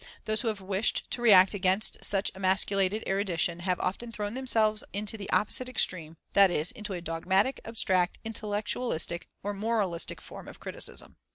Those who have wished to react against such emasculated erudition have often thrown themselves into the opposite extreme, that is, into a dogmatic, abstract, intellectualistic, or moralistic form of criticism.